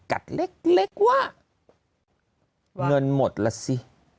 กัดเล็กเหลือเงินหมดและสิ